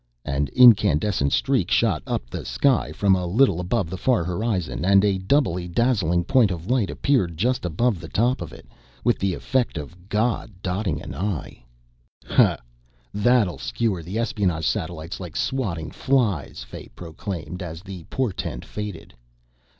An incandescent streak shot up the sky from a little above the far horizon and a doubly dazzling point of light appeared just above the top of it, with the effect of God dotting an "i". "Ha, that'll skewer espionage satellites like swatting flies!" Fay proclaimed as the portent faded.